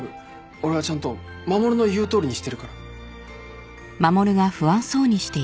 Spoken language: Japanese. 俺はちゃんと守の言うとおりにしてるから。